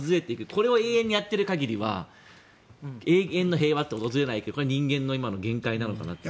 これを永遠にやっている限りは永遠の平和って訪れない人間の今の限界なのかなと。